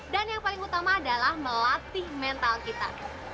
dan yang paling utama adalah melatih mental kita